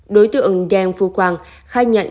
đối tượng đen phú quang khai nhận